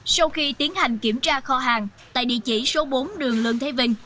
sau khi tiến hành kiểm tra kho hàng tại địa chỉ số bốn đường lương thế vinh